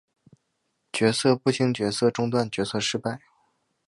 角色不清角色中断角色失败